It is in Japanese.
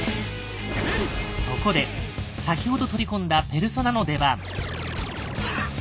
そこで先ほど取り込んだペルソナの出番。